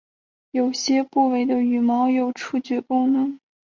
有些部位的羽毛有触觉功能。